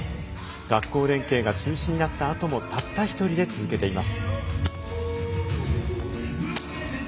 学校連携が中止になった後もたった１人で続けています。